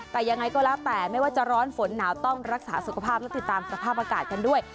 แต่ยังไงก็แล้วแต่ไม่ว่าจะร้อนฝนหนาวต้องรักษาสุขภาพและติดตามสภาพอากาศกันด้วย